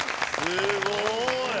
すごーい！